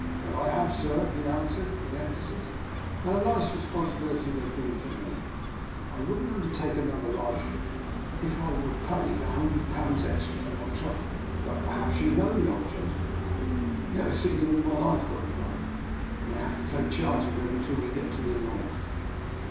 " That I have, sir," he answered with em phasis; " and a nice responsibility they've been for me. I wouldn't undertake another like it if I were paid a hundred pounds extra for my trouble. But perhaps you know the old gentleman? "" I have never seen him in my life," I re plied, " but I have to take charge of him until we get to the North."